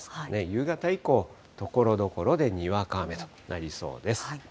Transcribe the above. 夕方以降、ところどころでにわか雨となりそうです。